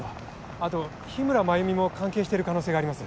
あと日村繭美も関係してる可能性があります。